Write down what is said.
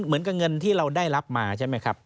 เหมือนกับเงินที่เราได้รับมาใช่ไหมครับ